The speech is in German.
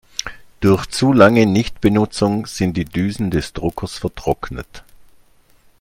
Durch zu lange Nichtbenutzung sind die Düsen des Druckers vertrocknet.